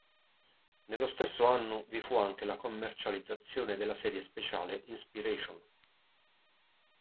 Nello stesso anno vi fu anche la commercializzazione della serie speciale "Inspiration".